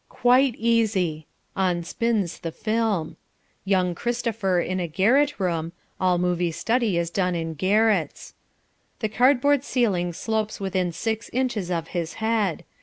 Quite easy. On spins the film. Young Christopher in a garret room (all movie study is done in garrets). The cardboard ceiling slopes within six inches of his head.